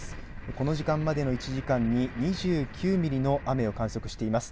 この時間までの１時間に２９ミリの雨を観測しています。